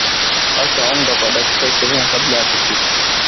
wacha unga kwa dakika ishirini kabla ya kupika